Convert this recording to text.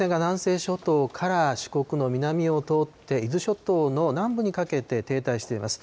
前線が南西諸島から四国の南を通って、伊豆諸島の南部にかけて停滞しています。